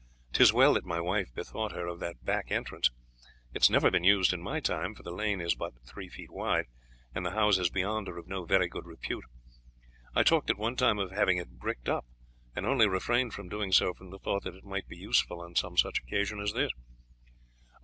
'Tis well that my wife bethought her of that back entrance. It has never been used in my time, for the lane is but three feet wide, and the houses beyond are of no very good repute. I talked at one time of having it bricked up, and only refrained from doing so from the thought that it might be useful on some such occasion as this.